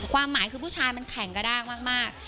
ความหมายคือผู้ชายมันแข็งกระด้างมาก